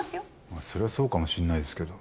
まあそれはそうかもしれないですけど。